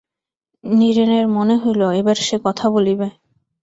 নীরেনের মনে হইল এবার সে কথা বলিবে।